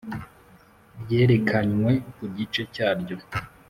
ryerekanwe ku gice cyaryo.